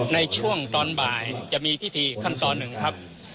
ในช่วงตอนบ่ายจะมีพิธีขั้นตอนหนึ่งครับ